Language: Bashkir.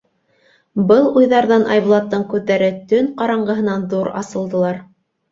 Был уйҙарҙан Айбулаттың күҙҙәре төн ҡараңғыһына ҙур асылдылар.